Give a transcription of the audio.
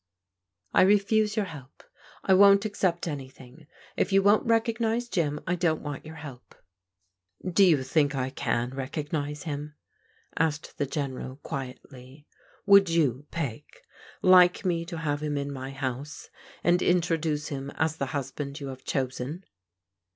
"I refuse your help. I won't accept an3rthing. If you won't recognize Jim, I don't want your help." " Do you think I can recognize him ?" asked the Gen eral quietly. " Would you, Peg, like me to have him in my house and introduce him as the husband you have chosen?"